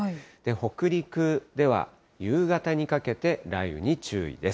北陸では、夕方にかけて雷雨に注意です。